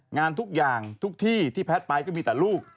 งานทุกอย่างทุกที่ที่แพทย์ไปก็มีแต่ลูก